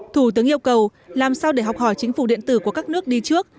thủ tướng yêu cầu làm sao để học hỏi chính phủ điện tử của các nước đi trước